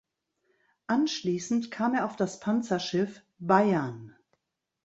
Anschließend kam er auf das Panzerschiff "Bayern".